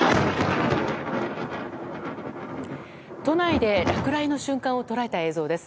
都内で落雷の瞬間を捉えた映像です。